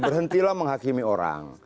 berhentilah menghakimi orang